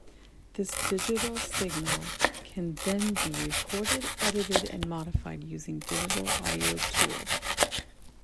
This digital signal can then be recorded, edited and modified using digital audio tools.